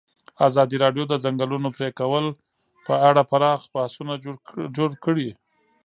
ازادي راډیو د د ځنګلونو پرېکول په اړه پراخ بحثونه جوړ کړي.